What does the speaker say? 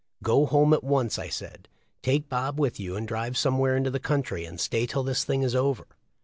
"Go home at once," I said. "Take Bob with you and drive somewhere into the country and stay till this thing is over."